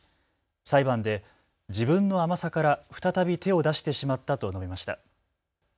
裁判で自分の甘さから再び手を出してしまったと述べました。